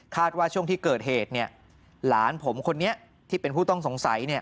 ว่าช่วงที่เกิดเหตุเนี่ยหลานผมคนนี้ที่เป็นผู้ต้องสงสัย